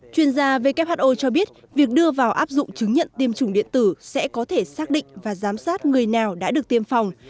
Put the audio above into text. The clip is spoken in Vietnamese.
chuyên gia who cho biết việc đưa vào áp dụng chứng nhận tiêm chủng điện tử sẽ có thể xác định và giám sát người nào đã được tiêm phòng